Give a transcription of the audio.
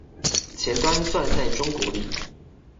前端算在中國裡